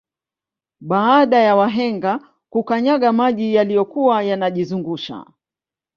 Baada ya wahenga kukanyaga maji yaliyokuwa yanajizungusha